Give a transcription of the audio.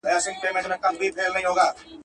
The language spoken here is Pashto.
اوښکه یم په لاره کي وچېږم ته به نه ژاړې.